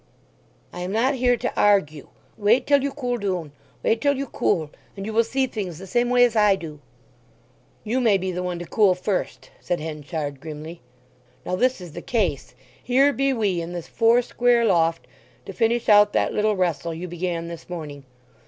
"I am not here to argue. Wait till you cool doon, wait till you cool; and you will see things the same way as I do." "You may be the one to cool first," said Henchard grimly. "Now this is the case. Here be we, in this four square loft, to finish out that little wrestle you began this morning.